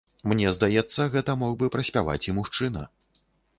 Мне здаецца, гэта мог бы праспяваць і мужчына.